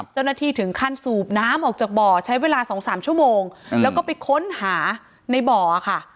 เจ้าหน้าที่ถึงขั้นสูบน้ำออกจากบ่อใช้เวลา๒๓ชั่วโมงแล้วก็ไปค้นหาในบ่อค่ะ